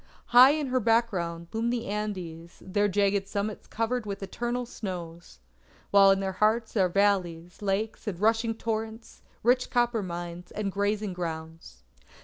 High in her background loom the Andes, their jagged summits covered with eternal snows; while in their hearts are valleys, lakes, and rushing torrents, rich copper mines, and grazing grounds.